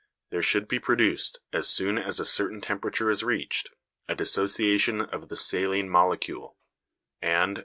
There should be produced, as soon as a certain temperature is reached, a dissociation of the saline molecule; and, as M.